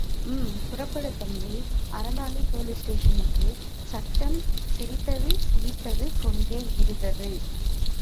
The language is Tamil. ம்... புறப்படு தம்பி, அறந்தாங்கி போலீஸ் ஸ்டேஷனுக்கு..! சட்டம் சிரித்தது சிரித்துக் கொண்டேயிருந்தது!